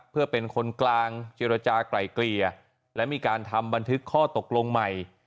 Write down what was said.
เพื่อเป็นคนกลางเจรจากลายเกลี่ยและมีการทำบันทึกข้อตกลงใหม่